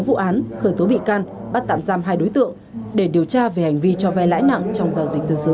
vụ án khởi tố bị can bắt tạm giam hai đối tượng để điều tra về hành vi cho vai lãi nặng trong giao dịch dân sự